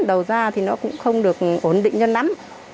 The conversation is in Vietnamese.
đầu ra thì nó cũng không được ổn định cho lắm